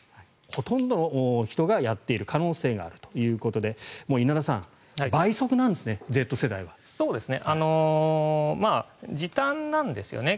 ほとんどの人がやっている可能性があるということで稲田さん、Ｚ世代は倍速なんですね。